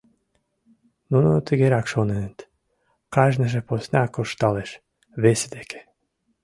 Нуно тыгерак шоненыт: кажныже посна куржталеш, весе деке.